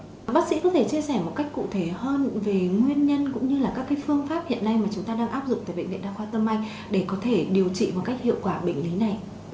vâng bác sĩ có thể chia sẻ một cách cụ thể hơn về nguyên nhân cũng như là các phương pháp hiện nay mà chúng ta đang áp dụng tại bệnh viện đa khoa tâm anh để có thể điều trị một cách hiệu quả bệnh lý này